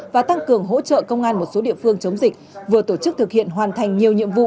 và tăng cường hỗ trợ công an một số địa phương chống dịch vừa tổ chức thực hiện hoàn thành nhiều nhiệm vụ